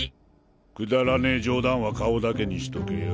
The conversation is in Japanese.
くだらねえ冗談は顔だけにしとけよ。